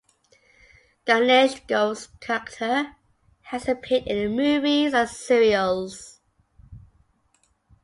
Ganesh Ghote's character has appeared in a movies and serials.